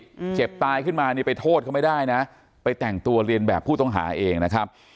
เจ็บตายขึ้นมานี่ไปโทษเขาไม่ได้นะไปแต่งตัวเรียนแบบผู้ต้องหาเองนะครับ